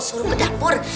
suruh ke dapur